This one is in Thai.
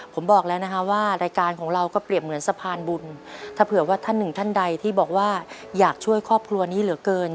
ผมบอกแล้วนะฮะว่ารายการของเราก็เปรียบเหมือนสะพานบุญถ้าเผื่อว่าท่านหนึ่งท่านใดที่บอกว่าอยากช่วยครอบครัวนี้เหลือเกิน